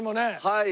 はい。